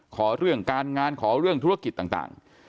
ขอเรื่องการงานขอเรื่องธุรกิจต่าง